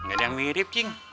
nggak ada yang mirip cing